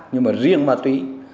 nhưng mà riêng ma túy